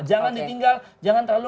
jangan ditinggal jangan terlalu